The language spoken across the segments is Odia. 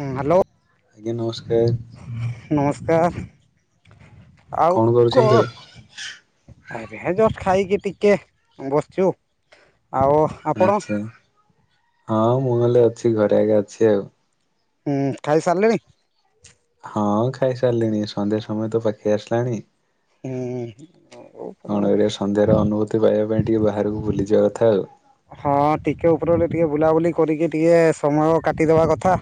ହୁଁ ହ୍ୟାଲୋ ଆଜ୍ଞା ନମସ୍କାର ନମସ୍କାର। ଆଉ କଣ? ଆରେ ହେ ଏବେ ଜଷ୍ଟ ଖାଇକି ଟିକେ ବସିଛୁ ଆଉ। ଆପଣ ଆଚ୍ଛା ହଁ ମୁଁ ହେଲେ ଅଛି ଘରେ ଆଗେ ଅଛି ଆଉ। ହୁଁ ଖାଇ ସାରିଲେଣି? ହଁ ଖାଇସାରିଲିଣି ସନ୍ଧ୍ୟା ସମୟ ତ ପାଖେଇ ଆସିଲାଣି। ହୁଁ ହୋଉ ହୋଉ। କଣ କରିବା ସନ୍ଧ୍ୟାର ଅନୁଭୂତି ପାଇବା ପାଇଁ ଟିକେ ବାହାରକୁ ବୁଲିଯିବା କଥା ଆଉ। ହଁ ଟିକେ ଉପର ଓଳି ଟିକେ ବୁଲାବୁଲି କରିକି ଟିକେ ସମୟ କାଟିଦବା କଥା।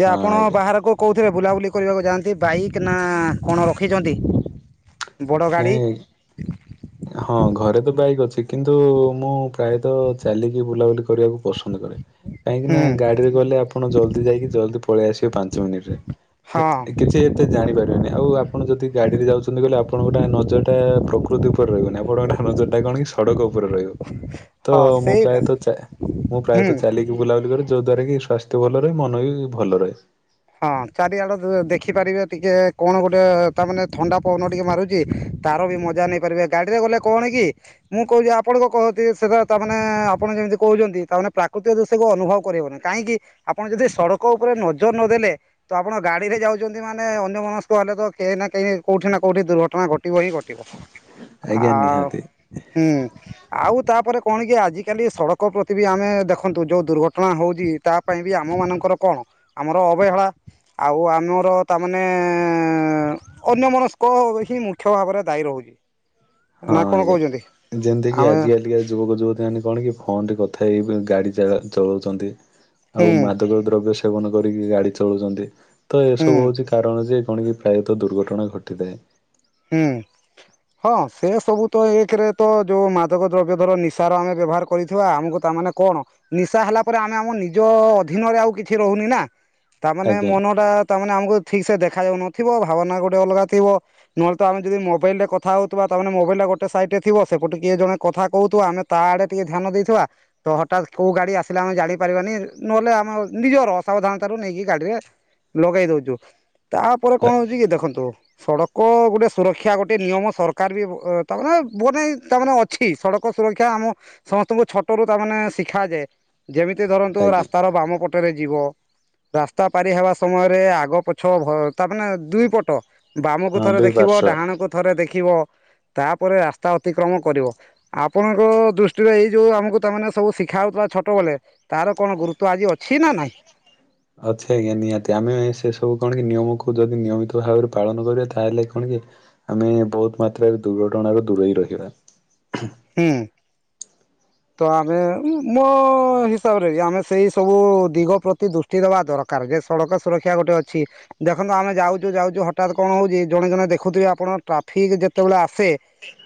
ଯେ ହଁ ଆପଣ ଆଜ୍ଞା ବାହାରକୁ କୋଉ କୋଉଥିରେ ବୁଲାବୁଲି କରିବାକୁ ଯାଆନ୍ତି ବାଇକ୍ ନା କଣ ରଖିଛନ୍ତି ବଡ଼ ଗାଡ଼ି? ନାଇଁ ହଁ ଘରେ ତ ବାଇକ୍ ଅଛି କିନ୍ତୁ ମୁଁ ପ୍ରାୟତଃ ଚାଲିକି ବୁଲାବୁଲି କରିବାକୁ ପସନ୍ଦ କରେ। କାହିଁକି ହୁଁ ନା ଗାଡିରେ ଗଲେ ଆପଣ ଜଲଦି ଯାଇକି ଜଲଦି ପଳେଇ ଆସିବେ ପାଞ୍ଚ ମିନିଟରେ। ହଁ କିଛି କେତେ ଜାଣିପାରିବେନି ଆଉ ଆପଣ ଯଦି ଗାଡିରେ ଯାଉଛନ୍ତି କହିଲେ ଆପଣଙ୍କଟା ନଜରଟା ପ୍ରକୃତି ଉପ ରେ ରହିବନି ଆପଣଙ୍କ ନଜରଟା କଣ କି ସଡ଼କ ଉପ ରେ ରହିବ ତ ହଁ ମୁଁ ସେଇଟା ପ୍ରାୟତ ଚା ମୁଁ ହୁଁ ପ୍ରାୟତ ଚାଲିକି ବୁଲାବୁଲି କରେ ଯୋ ଦ୍ୱାରା କି ସ୍ୱାସ୍ଥ୍ୟ ଭଲ ରହେ ମନ ବି ଭଲ ରହେ। ହଁ ଚାରିଆଡ଼େ ଦେଖିପାରିବେ ଟିକେ କଣ ଗୋଟେ ତାମାନେ ଥଣ୍ଡା ପବନ ଟିକେ ମାରୁଛି। ତାର ବି ମଜା ନେଇପାରିବେ ଗାଡି ରେ ଗଲେ କଣ କି ମୁଁ କହୁଛି ଆପଣଙ୍କ କହନ୍ତି ସେଟା ତ ମାନେ ଆପଣ ଯେମିତି କହୁଛନ୍ତି ତାମାନେ ପ୍ରାକୃତିକ ଦୃଶ୍ୟକୁ ଅନୁଭବ କରିହବନି। କାହିଁକି ଆପଣ ଯଦି ସଡ଼କ ଉପରେ ନଜର ନଦେଲେ ତ ଆପଣ ଗାଡି ରେ ଯାଉଛନ୍ତି ମାନେ ଅନ୍ୟ ମନସ୍କ ହେଲେ ତ କେହି ନା କେହି କୋଉଠି ନା କୋଉଠି ଦୁର୍ଘଟଣା ଘଟିବ ହିଁ ଘଟିବ। ଆ ଆଜ୍ଞା ନିହାତି। ଉ ହୁଁ। ଆଉ ତାପରେ କଣ କି ଆଜିକାଲି ସଡକ ପ୍ରତି ବି ଆମେ ଦେଖନ୍ତୁ ଯୋଉ ଦୁର୍ଘଟଣା ହଉଛି ତା ପାଇଁ ବି ଆମ ମାନଙ୍କର କଣ? ଅ ଅବହେଳା ଆଉ ଆମର ତାମାନେ ଏ ଅନ୍ୟ ମନସ୍କ ହିଁ ମୁଖ୍ୟ ଭାବରେ ଦାୟୀ ରହୁଛି। ହଁ ନା କଣ ଆଜ୍ଞା କହୁଛନ୍ତି ଯେମିତି କିି ଆମେ ଆଜିକାଲି ଯୁବକ ଯୁବତୀ ମାନେ କଣ କି ଫୋନ ରେ କଥା ହେଇ ଗାଡି ଚ ଚଲଉଛନ୍ତି ହୁଁ ଆଉ ଦ୍ରବ୍ୟ ସେବନ କରିକି ଗାଡି ଚଳୁଛନ୍ତି ତ ହୁଁ ଏସବୁ ହଉଛି କାରଣ ଯେ କଣ କି ପ୍ରାୟତଃ ଦୁର୍ଘଟଣା ଘଟିଥାଏ। ହୁଁ। ହଁ ସେ ସବୁ ତ ଏକରେ ତ ଯୋଉ ମାଦକ ଦ୍ରବ୍ୟ ଧର ନିଶାର ଆମେ ବ୍ୟବହାର କରିଥିବା ଆମକୁ ତା ମାନେ କଣ ନିଶା ହେଲା ପରେ ଆମେ ଆମ ନିଜ ଅଧୀନରେ ଆଉ କିଛି ରହୁନି ନା? ତାମାନେେ ଆଜ୍ଞା ମନ ଟା ତାମାନେ ଆମକୁ ଠିକ ସେ ଦେଖା ଯାଉନଥିବ ଭାବନା ଗୋଟେ ଅଲଗା ଥିବ। ନହେଲେ ତ ଆମେ ଯଦି ମୋବଲ ରେ କଥା ହଉଥିବା ତା ମାନେ ମୋବାଇଲି ଟା ଗୋଟେ ସାଇଟ ଥିବ ସେପଟୁ କିଏ ଜଣେ କଥା କହୁଥିବ ଆମେ ତା ଆଡେ ଟିକେ ଧ୍ୟାନ ଦେଇଥିବା ତ ହଠାତ୍ କୋଉ ଗାଡି ଆସିଲେ ଆମେ ଜାଣି ପାରିବାନି ନହେଲେ ଆମ ନିଜର ଅସାବଧାନତାରୁ ନେଇକି ଗାଡିରେ ଲଗେଇ ଦଉଛୁ ତାପରେ କଣ ହଉଛି କି ଦେଖନ୍ତୁ ସଡ଼କ କ ଗୋଟେ ସୁରକ୍ଷା ଗୋଟେ ନିୟମ ସରକାର ବି ତାମାନେ ମାନେ ତାମାନେ ବହୁତ୍ ହିଁ ଅଛି ସଡ଼କ ସୁରକ୍ଷା ଆମ ସମସ୍ତଙ୍କୁ ଛୋଟ ରୁ ତାମାନେ ଶିଖାଯାଏ ଯେମିତି ଧରନ୍ତୁ ଆଜ୍ଞା ରାସ୍ତାର ବାମ ପଟରେ ଯିବ। ରାସ୍ତା ପାରି ହେବା ସମୟରେ ଆଗ ପଛ ତା ମାନେ ଦୁଇ ପଟ ବାମ ହଁ ଥରେ ଦୁଇ ଦେଖିବ ପାର୍ଶ୍ଵ। ଡାହାଣକୁ ଥରେ ଦେଖିବ ତାପରେ ରାସ୍ତା ଅତିକ୍ରମ କରିବ। ଆପଣଙ୍କ ଦୃଷ୍ଟିରେ ଏଇ ଯୋଉ ଆମକୁ ତାମାନେ ସବୁ ଶିଖା ହଉଥିଲା ଛୋଟ ବେଳେ ତାର କଣ ଗୁରୁତ୍ଵ ଆଜି ଅଛି ନା ନାଇଁ? ଅଛି ଆଜ୍ଞା ନିହାତି ଆମେ ସେ ସବୁ କଣ କି ନିୟମକୁ ଯଦି ନିୟମିତ ଭାବରେ ପାଳନ କରିବା ତାହେଲେ କଣ କି? ଆମେ ବହୁତ ମାତ୍ରାରେ ଦୁର୍ଘଟଣାରୁ ଦୂରେଇ ରହିବା। ହୁଁ। ତ ଆମେ ମୋ ହିସାବରେ ଆମେ ସେଇ ସବୁ ଦିଗ ପ୍ରତି ଦୁ ଷ୍ଟି ଦେବା ଦରକାର ଯେ ସଡ଼କ ସୁରକ୍ଷା ଗୋଟେ ଅଛି। ଦେଖନ୍ତୁ ଆମେ ଯାଉଛୁ ଯାଉଛୁ ହଠାତ୍ କଣ ହଉଛି ଜଣେ ଜଣେ ଦେଖୁଥିବେ ଆପଣ ଟ୍ରାଫିକ୍ ଯେତେବେଳେ ଆସେ,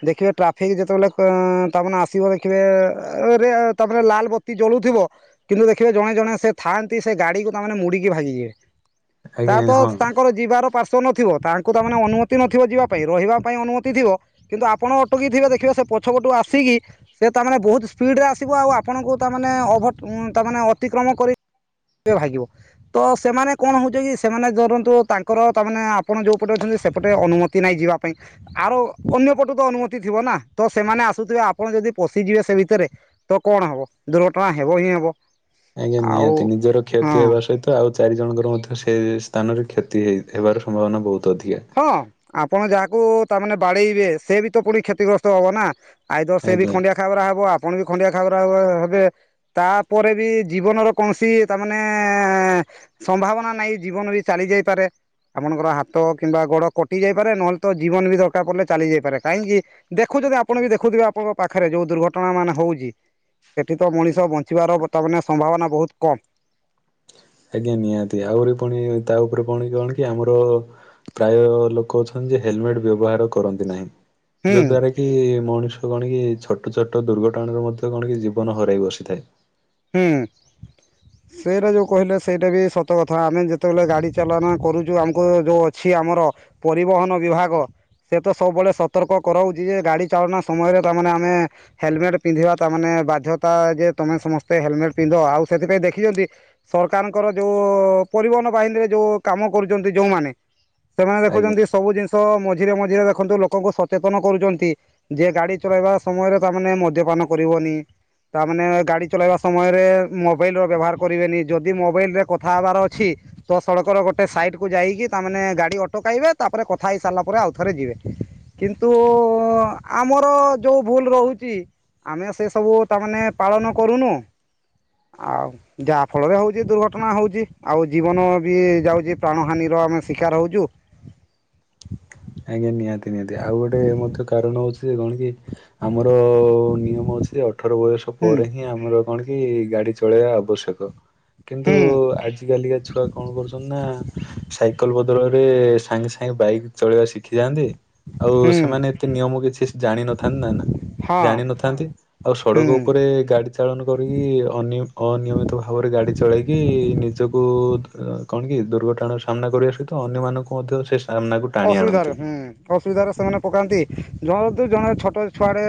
ଦେଖିବେ ଟ୍ରାଫିକ୍ ଯେତେବେଳେ, ଅ ତାମାନେ ଆସିବ ଦେଖିବେ ରେ ତା ମ ଲାଲ ବତି ଜଳୁଥିବ କିନ୍ତୁ ଦେଖିବେ ଜଣେ ଜଣେ ସେ ଥାଆନ୍ତି ସେ ଗାଡିକୁ ତାମାନେ ମୁଡିକି ଭାଙ୍ଗିବେ ତା ଆଜ୍ଞା ତ ହଁ। ତାଙ୍କର ଯିବାର ପାର୍ଶ୍ଵ ନଥିବ ତାଙ୍କୁ ତା ମାନେ ଅନୁମତି ନଥିବ ଯିବା ପାଇଁ ରହିବା ପାଇଁ ଅନୁମତି ଥିବ କିନ୍ତୁ ଆପଣ ଅଟକିଥିବେ ଦେଖିବେ ସେ ପଛ ପଟୁ ଆସିକି ସେ ତାମାନେ ବହୁତ ସ୍ପିଡ ରେ ଆସିବ ଆଉ ଆପଣଙ୍କୁ ତାମାନେ ଓଭର ତାମାନେ ଅତିକ୍ରମ କରି ଭାଗିବ ତ ସେମାନେ କଣ ହଉଛି କି ସେମାନେ ଧରନ୍ତୁ ତାଙ୍କର ତାମାନେେ ଆପଣ ଯୋଉ ପଟେ ଅଛନ୍ତି ସେପଟେ ଅନୁମତି ନାଇଁ ଯିବା ପାଇଁ ଆର ଅନ୍ୟପଟୁ ତ ଅନୁମତି ଥିବ ନା? ତ ସେମାନେ ଆସୁଥିବେ ଆପଣ ଯଦି ପଶିଯିବେ ସେ ଭିତରେ ତ କଣ ହବ ଦୁର୍ଘଟଣା ହେବ ହିଁ ହେବ। ଆଜ୍ଞା ଆଉ ନିହାତି ନିଜର କ୍ଷତି ହଁ ହେବା ସହିତ ତ ଆଉ ଚାରିଜଣଙ୍କର ମଧ୍ୟ ସେ ସ୍ଥାନରେ କ୍ଷତି ହେ ହେବାର ସମ୍ଭାବନା ବହୁତ ଅଧିକା। ହଁ ଆପଣ ଯାହାକୁ ତାମାନେ ବାଡେଇବେ ସେ ବି ତ ପୁଣି କ୍ଷତିଗ୍ରସ୍ତ ହବ ନା। ଆଇ ଦର୍ ସେ ବି ଆଜ୍ଞା ଖଣ୍ଡିଆ ଖାବରା ହବ ଆପଣ ବି ଖଣ୍ଡିଆ ଖାବରା ହେବେ। ତାପରେ ବି ଜୀବନର କୌଣସି ତାମାନେ ସମ୍ଭାବନା ନାହିଁ ଜୀବନ ବି ଚାଲି ଯାଇପାରେ ଆପଣଙ୍କର ହାତ କିମ୍ବା ଗୋଡ଼ କଟି ଯାଇପାରେ ନହେଲେ ତ ଜୀବନ ବି ଦରକାର ପଡ଼ିଲେ ଚାଲିଯାଇପାରେ କାହିଁକି ଦେଖୁଥିବେ ଆପଣ ବି ଦେଖୁଥିବେ ଆପଣଙ୍କ ପାଖରେ ଯୋଉ ଦୁର୍ଘଟଣା ମାନେ ହଉଛି, ସେଠି ତ ମଣିଷ ବଞ୍ଚିବାର ବର୍ତ୍ତମାନ ସମ୍ଭାବନା ବହୁତ କମ୍। ଆଜ୍ଞା ନିହାତି ଆହୁରି ପୁଣି ତା ଉପରେ ପୁଣି କଣ କି ଆମର ପ୍ରାୟ ଲୋକ ଅଛନ୍ତି ଯେ ହେଲମେଟ ବ୍ୟବହାର କରନ୍ତି ନାହିଁ ହୁଁ ଯୋ ଦ୍ୱାରା କି କି ମଣିଷ କଣ କି ଛୋଟ ଛୋଟ ଦୁର୍ଘଟଣାରେ ମଧ୍ୟ କଣ କି ଜୀବନ ହରାଇ ବସିଥାଏ। ହୁଁ। ସେଇଟା ଯେଉଁ କହିଲେ ସେଇଟା ବି ସତ କଥା ଆମେ ଯେତେବେଳେ ଗାଡ଼ି ଚାଳନା କରୁଛୁ ଆମକୁ ଯେଉଁ ଅଛି ଆମର। ପରିବହନ ବିଭାଗ। ସେତ ସବୁବେଳେ ସତର୍କ କରାଉଛି ଯେ ଗାଡ଼ି ଚାଳନା ସମୟରେ ତାମାନେ ଆମେ। ହେଲମେଟ ପିନ୍ଧିବା ତା ମାନେ ବାଧ୍ୟତା ଯେ ତମେ ସମସ୍ତେ ହେଲମେଟ ପିନ୍ଧ ଆଉ ସେଥିପାଇଁ ଦେଖିଛନ୍ତି। ସରକାରଙ୍କର ଯୋଉ ପରିବହନ ବାହିନୀରେ ଯୋଉ କାମ କରୁଛନ୍ତି ଯୋଉମାନେ। ସେମାନେ ଆଜ୍ଞା ଦେଖୁଛନ୍ତି ସବୁ ଜିନିଷ ମଝିରେ ମଝିରେ ଦେଖନ୍ତୁ ଲୋକଙ୍କୁ ସଚେତନ କରୁଛନ୍ତି। ଯିଏ ଗାଡି ଚଲେଇବା ସମୟରେ ତାମାନେ ମଦ୍ୟପାନ କରିବନି ତାମାନେ ଗାଡି ଚଲେଇବା ସମୟରେ ମୋବାଇଲର ବ୍ୟବହାର କରିବେନି ଯଦି ମୋବାଇଲରେ କଥା ହେବାର ଅଛି। ତ ସଡକର ଗୋଟେ ସାଇଟକୁ ଯାଇକି ତାମାନେ ଗାଡି ଅଟକାଇବେ ତାପରେ କଥା ହେଇ ସାରିଲା ପରେ ଆଉଥରେ ଯିବେ। କିନ୍ତୁ ଆମର ଯୋଉ ଭୁଲ ରହୁଛି। ଆମେ ସେ ସବୁ ତାମାନେ ପାଳନ କରୁନୁ ଆଉ ଯାହା ଫଳରେ ହଉଛି ଦୁର୍ଘଟଣା ହଉଛି ଆଉ ଜୀବନବି ଯାଉଛି ପ୍ରାଣ ହାନିର ଆମେ ଶିକାର ହଉଛୁ। ଆଜ୍ଞା ନିହାତି ନିହାତି ଆଉ ଗୋଟେ ମଧ୍ୟ କାରଣ ହଉଛି ଯେ କଣ କି ଆମର ନିୟମ ଅଛି ଅଠର ବୟସ ହୁଁ ପରେ ହିଁ ଆମର କଣ କି ଗାଡି ଚଳେଇବା ଆବଶ୍ୟକ। କିନ୍ତୁ ହୁଁ ଆଜି କାଲିକା ଛୁଆ କଣ କରୁଛନ୍ତି ନା ସାଇକେଲ ବ ବଦଳରେ ସାଙ୍ଗେ ସାଙ୍ଗେ ବାଇକ୍ ଚଳେଇବା ଶିଖିଯାଆନ୍ତି। ଆଉ ହୁଁ ସେମାନେ ଏତେ ନିୟମ କିଛି ଜାଣିନଥାନ୍ତି ନା ନା ହଁ ଜାଣିିନଥାନ୍ତି ଆଉ ହୁଁ ସଡ଼କ ଉପରେ ଗାଡି ଚାଳନ କରିକି ଅନିୟ ଅନିୟମିତ ଭାବରେ ଗାଡ଼ି ଚଳାଇକି ନିଜକୁ କଣ କି ଦୁର୍ଘଟଣାର ସାମ୍ନା କରିବା ସହିତ ଅନ୍ୟମାନଙ୍କୁ ମଧ୍ୟ ସେ ସାମ୍ନାକୁ ଟାଣି ଆଣନ୍ତି। ଅସୁବିଧାରେ ହୁଁ। ଅସୁବିଧାରେ ସେମାନେ ପକାନ୍ତି ଜନତୁ ଜଣେ ଛୋଟ ଛୁଆଟେ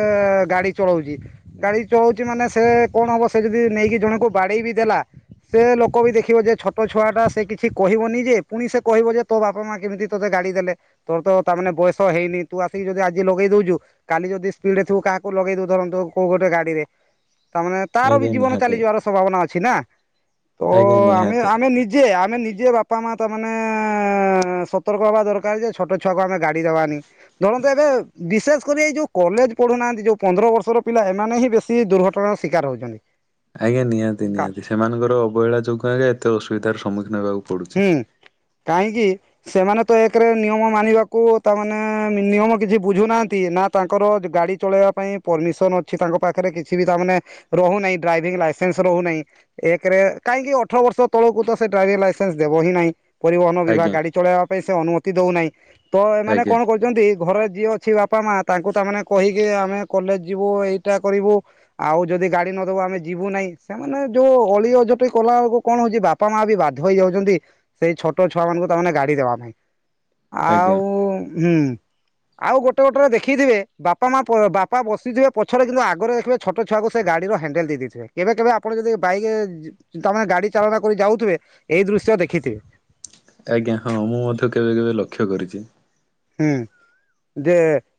ଗାଡି ଚଳଉଛି। ଗାଡି ଚଳଉଛି ମାନେ ସେ କଣ ହବ ସେ ଯଦି ନେଇକି ଜଣଙ୍କୁ ବାଡେଇ ବିି ଦେଲା। ସେ ଲୋକ ବି ଦେଖିବ ଯେ ଛୋଟ ଛୁଆ ଟା ସେ କିଛି କହିବନି ଯେ ପୁଣି ସେ କହିବ ଯେ ତୋ ବାପା ମା କେମିତି ତୋତେ ଗାଡି ଦେଲେ ତୁମେ ତ ତା ମାନେ ବୟସ ହେଇନି ତୁ ଆସିକି ଯଦି ଆଜି ଲଗେଇ ଦଉଛୁ। କାଲି ଯଦି ସ୍ପିଡ ରେ ଥିବୁ କାହାକୁ ଲଗେଇ ଦଉ ଧରନ୍ତୁ କୋଉ ଗୋଟେ ଗାଡିରେ। ତାମାନେ ତାର ବି ଆଜ୍ଞା ଜୀବନ ନିହାତି ଚାଲିଯିବାର ସମ୍ଭାବନା ଅଛି ନା। ତ ଆଜ୍ଞା ଆମେ ନିହାତି। ଆମେ ନିଜେ ଆମେ ନିଜେ ବାପା ମା ତା ମାନେ ସତର୍କ ହବା ଦରକାର। କାର ଯେ ଛୋଟ ଛୁଆକୁ ଆମ ଗାଡି ଦବାନି। ଧରନ୍ତ ଏବେ ବିଶେଷ କରି ଏଇ ଯୋଉ କଲେଜ ପଢୁନାହାନ୍ତି ଯୋଉ ପନ୍ଦର ବର୍ଷର ପିଲା ଏମାନେ ହିଁ ବେଶ ସି ଦୁର୍ଘଟଣାର ଶିକାର ହେଉଛନ୍ତି। ଆଜ୍ଞା ନିହାତି ନିହାତି ସେମାନଙ୍କର ଅବହେଳା ଯୋଗୁ ଆଜ୍ଞା ଏତେସୁବିଧାର ସମ୍ମୁଖୀନ ହେବାକୁ ପଡୁଛି। ହୁଁ କାହିଁକି? ସେମାନେ ତ ଏକରେ ନିୟମ ମାନିବାକୁ ତାମାନେ ମିନିୟମ୍ କିଛି ବୁଝୁନାହାନ୍ତି ନା ତାଙ୍କର ଗାଡ଼ି ଚଳେଇବା ପାଇଁ ପନିସନ୍ ଅଛି ତାଙ୍କ ପାଖରେ କିଛି ବି ତାମାନେ ରହୁନାହିଁ ଡ୍ରାଇଭିଂ ଲାଇସେନ୍ସ ରହୁନାହିଁ ଏକରେ କାହିଁକି ଅଠର ବର୍ଷ ତଳକୁ ତ ସେ ଡ୍ରାଇଭିଂ ଲାଇସେନ୍ ସେନ୍ସ ଦେବ ହିଁ ନାହିଁ ପରିବହନ ବିଭାଗ ଆଜ୍ଞା ଗାଡି ଚଳେଇବା ପାଇଁ ସେ ଅନୁମତି ଦଉନାହିଁ ତ ଏମାନେ ଆଜ୍ଞା କଣ କରୁ ଛନ୍ତି ଘରେ ଯିଏ ଅଛି ବାପା ମା ତାଙ୍କୁ ତାମାନେେ କହିକି ଆମେ କଲେଜ ଯିବୁ ଏଇଟା କରିବୁ। ଆଉ ଯଦି ଗାଡି ନଦବୁ ଆମେ ଯିବୁ ନାହିଁ ସେମାନେ ଯୋଉ ଅଳି ଅଜଟି କଲା ବେଳକୁ କଣ ହଉଛି ବାପା ମାଆ ବି ବାଧ୍ୟ୍ୟ ଧୋଇ ଯାଉଛନ୍ତି ସେଇ ଛୋଟ ଛୁଆ ମାନଙ୍କୁ ତାମାନେ ଗାଡି ଦେବା ପାଇଁ। ଆଜ୍ଞା। ଆଉ ହୁଁ। ଆଉ ଗୋଟେ ଗୋଟରେ ଦେଖିଥିବେ ବାପା ମା ବାପା ବସିଥିବେ ପଛରେ କିନ୍ତୁ ଆଗରେ ଦେଖିବେ ଛୋଟ ଛୁଆକୁ ସେ ଗାଡ଼ିର ହ୍ୟାଣ୍ଡେଲ ଦେଇ ଦେଇଥିବେ କେବେ କେବେ ଆପଣ ଯଦି ବାଇକ୍ ତାମାନେେ ଗାଡି ଚାଳନା କରି ଯାଉଥିବେ ଏଇ ଦୃଶ୍ୟ ଦେଖିଥିବେ। ଆଜ୍ଞା ହଁ ମୁଁ ମଧ୍ୟ କେବେ କେବେ ଲକ୍ଷ୍ୟ କରିଛି। ହୁଁ ଯେ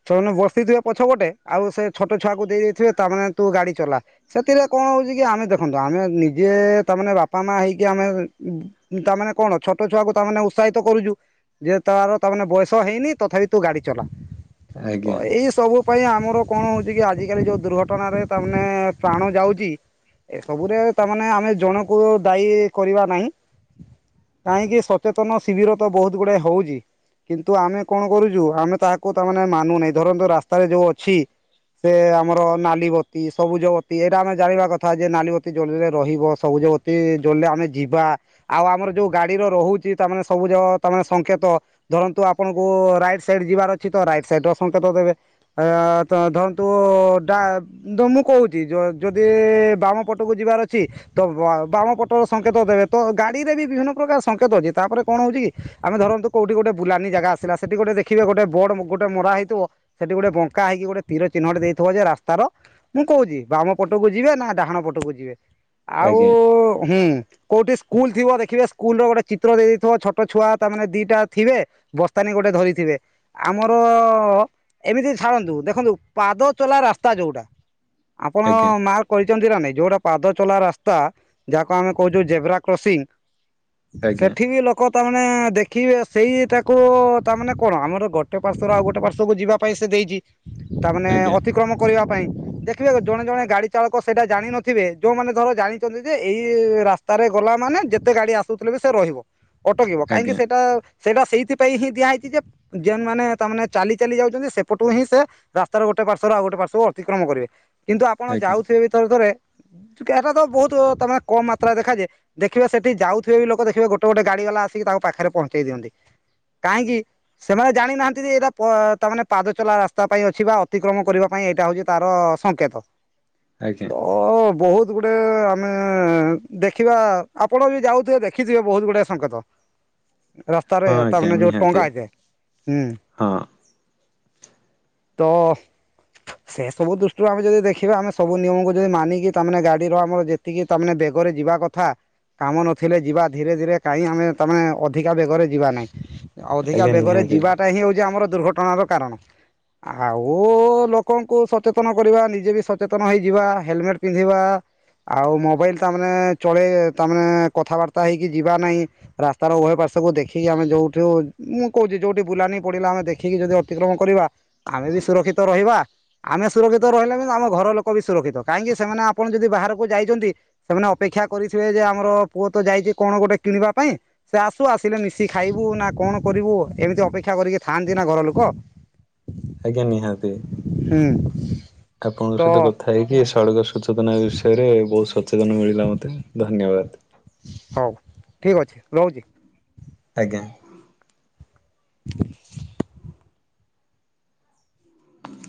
ଛୁଆ ମାନେ ବସିଥିବେ ପଛ ପଟେ ଆଉ ସେ ଛୋଟ ଛୁଆକୁ ଦେଇ ଦେଇଥିବେ ତା ମାନେ ତୁ ଗାଡି ଚଲା। ସେଥିରେ କଣ ହଉଛି କି ଆମେ ଦେଖନ୍ତୁ ଆମେ ନିଜେ ତାମାନେେ ବାପା ମା ହେଇକି ଆମେ ତାାନେ କଣ ଛୋଟ ଛୁଆକୁ ତା ମାନେ ଉତ୍ସାହିତ କରୁଛୁ ଯେ ତାର ତାମାନେ ବୟସ ତ ହେଇନି ତଥାପି ତୁ ଗାଡ଼ି ଚଲା ଆଜ୍ଞା [unintelligible] ସବୁ ପାଇଁ ଆମର କଣ ହଉଛି କି ଆଜି କାଲି ଯୋଉ ଦୁର୍ଘଟଣାରେ ତା ମାନେ ପ୍ରାଣ ଯାଉଛି ଏସବୁରେ ତାମାନେ ଆମେ ଜଣକୁ ଦାୟୀ କରିବା ନାହିଁ କାହିଁକି ସଚେତନ ଶିବିର ତ ବହୁତ ଗୁଡ଼ାଏ ହଉଛି କିନ୍ତୁ ଆମେ କଣ କରୁଛୁ ଆମେ ତାହାକୁ ତା ମାନେ ମାନୁନାହିଁ ଧରନ୍ତ ରାସ୍ତାରେ ଯୋଉ ଅଛି ସେ ଆମର ନାଲିିବତୀ ସବୁଜବତୀ ଏଇଟା ଆମେ ଜାଣିବା କଥା ଯେ ନାଲିିବତୀ ଜଳିରେ ରହିବ ସବୁଜବତୀ ଜଳିଲେ ଆମେ ଯିବା ଆଉ ଆମର ଯୋଉ ଗାଡିର ରହୁଛି ତା ମାନେ ସବୁଜ ତା ମାନେ ସଙ୍କେତ ଧରନ୍ତୁ ଆପଣଙ୍କୁ ରାଇଟ୍ ସାଇଡ ଯିବାର ଅଛି ତ ରାଇଟ୍ ସାଇଡ ର ସଙ୍କେତ ଦେବେ ଆ ଧରନ୍ତୁ ଡା ତ ମୁଁ କହୁଛି ଯଦି ବାମ ପଟକୁ ଯିବାର ଅଛି ତ ବାମ ପଟର ସଙ୍କେତ ଦେବେ ତ ଗାଡିରେ ବିଭିନ୍ନ ପ୍ରକାର ସଙ୍କେତ ଅଛି ତାପରେ କଣ ହଉଛି କି ଆମେ ଧରନ୍ତୁ କୋଉି ଗୋଟେ ବୁଲାନୀ ଜାଗା ଆସିଲା ସେଠି ଗୋଟ ଦେଖିବେ ଗୋଟେ ବୋର୍ଡ ଗୋଟେ ମରା ହେଇଥିବ ସେଠି ଗୋଟେ ବଙ୍କା ହେଇକି ଗୋଟେ ତୀର ଚିହ୍ନଟ ଦେଇଥିବ ଯେ ରାସ୍ତା ର ମୁଁ କହୁଛି ବାମ ପଟକୁ ଯିବେ ନା ଡାହାଣ ପଟକୁ ଯିବେ ଆଉ ଆଜ୍ଞା ହୁଁ କୋଉଠି ସ୍କୁଲ୍ ଥିବ ଦେଖିବ ସ୍କୁଲର ଗୋଟେ ଚିତ୍ର ଦେଇେ ଦେଇଥିବ ଛୋଟ ଛୁଆ ତାମାନେେ ଦିଟା ଥୀବେ ବର୍ସ୍ତାନୀ ଗୋଟେ ଧରିଥିବେ ଆମର ଏମିତି ଛାଡ଼ନ୍ତୁ ଦେଖନ୍ତୁ ପାଦ ଚଲା ରାସ୍ତା ଯୋଉଟା ଆପଣ ଆଜ୍ଞା ମା କହିଛନ୍ତି ନା ନାଇଁ ଯୋଉଟା ପାଦ ଚୋଲା ରାସ୍ତା ଯାହାକୁ ଆମେ କହୁଛୁ ଜେବ୍ରା କ୍ରସିଂ ଆଜ୍ଞା ସେଠି ବି ଲୋକ ତା ମାନେ ଦେଖିବେ ସେଇ ତା କ ତା ମାନେ କଣ ଆମର ଗୋଟେ ପାର୍ଶରୁ ଆଉ ଗୋଟେ ପାର୍ଶକୁ ଯିବା ପାଇଁ ସେ ଦେଇଛି ତା ମାନେ ଆଜ୍ଞା ଅତିକ୍ରମ କରିବା ପାଇଁ ଦେଖ ଜଣେ ଜଣେ ଗାଡି ଚାଳକ ସେଇଟା ଜାଣିିନଥିବେ ଯୋଉମାନେ ଧର ଜାଣିଛନ୍ତି ଯେ ଏଇ ରାସ୍ତା ରେ ଗଲା ମାନେ ଯେତେ ଗାଡି ଆସୁଥିଲେ ସେ ରହିବ ଅଟକିବ କାହିଁକି ଆଜ୍ଞା ସେଟା ସେଇଟା ସେଇଥି ପାଇଁ ହିଁ ଦିଆ ହେଇଛି ଯେନ୍ ମାନେ ତା ମାନେ ଚାଲି ଚାଲି ଯାଉଛନ୍ତି ସେପଟୁ ହିଁ ସେ ରାସ୍ତାର ଗୋଟେ ପାର୍ଶ୍ରୁ ଆଉ ଗୋଟେ ପାର୍ଶ୍ୱକୁ ଅତିକ୍ରମ କରିବେ କିନ୍ତୁ ଆପଣ ଆଜ୍ଞା ଯାଉଥିବେ ଥରେ ଥରେ ଏଟା ତ ବହୁତ ତେ କମ ମାତ୍ରାରେ ଦେଖାଯାଏ ଦେଖିବା ସେଠି ଯାଉଥିବେ ବି ଲୋକ ଦେଖିବେ ଗୋଟେ ଗୋଟେ ଗାଡି ଗଲା ଆସିକି ତାକୁ ପାଖରେ ପହଞ୍ଚେଇ ଦିଅନ୍ତି କାହିଁକି ସେମାନେ ଜାଣିନାହାନ୍ତି ଯେ ଏଇଟା ତାମାନେ ପାଦ ଚଲା ରାସ୍ତା ପାଇଁ ଅଛି ବା ଅତିକ୍ରମ କରିବା ପାଇଁ ଏଇଟା ହଉଛି ତାର ସଙ୍କେତ ଆଜ୍ଞା। ତ ବହୁତ ଗୁଡ଼ିଏ ଆମେ ଦେଖିବା ଆପଣ ବି ଯାଉଥିବେ ଦେଖିଥିବେ ବହୁତ ଗୁଡ଼ାଏ ସଙ୍କେତ ରାସ୍ତା ରେ ହଁ ଆଜ୍ଞା ନିହାତି ହଁ ତ ସେ ସବୁ ଦୃଷ୍ଟିରୁ ଆମେ ଯଦି ଦେଖିବା ଆମେ ସବୁ ନିୟମକୁ ଯଦି ମାନିକି ତାମାନେ ଗାଡିର ଆମର ଯେ ତିକି ତାମାନେ ବେଗରେ ଯିବା କଥା କାମ ନଥିଲେ ଯିବା ଧୀରେ ଧୀରେ କାହିଁ ଆମେ ତମେ ଅଧିକା ବେଗରେ ଯିବା ନାହିଁ। ଅଧିକା ଆଜ୍ଞା ବେଗରେ ନିହାତି ଯିବାଟା ହିଁ ହେଉଛି ଆମର ଦୁର୍ଘଟଣାର କାରଣ ଆଉ ଲୋକଙ୍କୁ ସଚେତନ କରିବା ନିଜେ ବି ସଚେତନ ହେଇଯିବା ହେଲମେଟ ପିନ୍ଧିବା ଆଉ ମୋବାଇଲ ତା ମାନେ ଚଳେଇ ତା ମାନେ କଥାବାର୍ତ୍ତା ହେଇକି ଯିବା ନାହିଁ ରାସ୍ତାର ଉଭୟ ପାର୍ଶକୁ ଦେଖିକି ଆମେ ଯୋଉଠିୁ ମୁଁ କହୁଛିି ଯୋଉଠି ବୁଲାନୀ ପଡିଲା ଆମେ ଦେଖିକି ଯଦି ଅତିକ୍ରମ କରିବା ଆମେ ବି ସୁରକ୍ଷିତ ରହିବା ଆମେ ସୁରକ୍ଷିତ ରହିଲା କି ଆମ ଘର ଲୋକ ବି ସୁରକ୍ଷିତ କାହିଁକି ସେମାନେ ଆପଣ ଯଦି ବାହାରକୁ ଯାଇଛନ୍ତି ସେମାନେ ଅପେକ୍ଷା କରିଥିବେ ଯେ ଆମର ପୁଅ ତ ଯାଇଛି କଣ ଗୋଟେ କିଣିବା ପାଇଁ ସେ ଆସୁ ଆସିଲେ ମିଶିକି ଖାଇବୁ ନା କଣ କରିବୁ ଏମିତି ଅପେକ୍ଷା କରିକି ଥାଆନ୍ତି ନା ଘର ଲୋକ ଆଜ୍ଞା ନିହାତି ହୁଁ। ଆପଣଙ୍କ ତ ସହିତ କଥା ହେଇକି ଏ ସଡ଼କ ସଚେତନା ବିଷୟରେ ବହୁ ସଚେତନ ମିଳିଲା ମୋତେ ଧନ୍ୟବାଦ। ହଉ। ଠିକ ଅଛି ରହୁଛି। ଆଜ୍ଞା। [unintelligible]